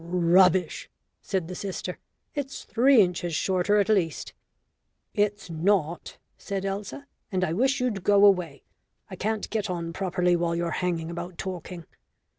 "Rubbish," said the sister. "It's three inches shorter at least." "It's not," said Elsa; "and I wish you'd go away. I can't get on properly while you're hanging about talking."